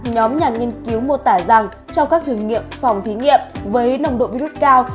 nhóm nhà nghiên cứu mô tả rằng trong các thử nghiệm phòng thí nghiệm với nồng độ virus cao